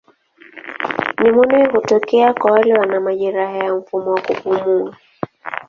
Nimonia hutokea kwa wale wana majeraha kwa mfumo wa kupumua.